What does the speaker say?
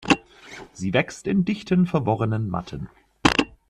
Sie wächst in dichten, verworrenen Matten.